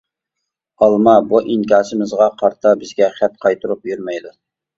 ئالما بۇ ئىنكاسىمىزغا قارىتا بىزگە خەت قايتۇرۇپ يۈرمەيدۇ.